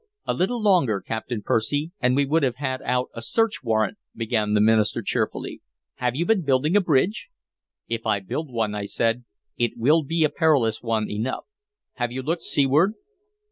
"A little longer, Captain Percy, and we would have had out a search warrant," began the minister cheerfully. "Have you been building a bridge?" "If I build one," I said, "it will be a perilous one enough. Have you looked seaward?"